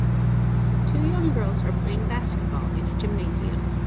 Two young girls are playing basketball in a gymnasium.